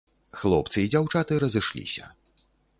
Хлопцы і дзяўчаты разышліся.